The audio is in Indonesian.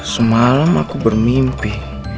semalam aku bermimpi